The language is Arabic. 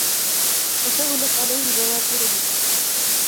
وَسَهُلَتْ عَلَيْهِ زَوَاجِرُهُ